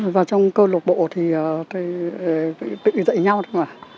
và trong câu lạc bộ thì tự dạy nhau thôi mà